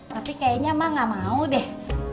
tapi kayaknya emak enggak mau deh